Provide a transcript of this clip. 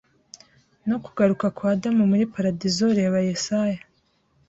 no kugaruka kwa Adamu muri paradizo Reba Yesaya